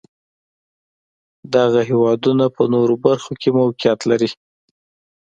دغه هېوادونه په نورو برخو کې موقعیت لري.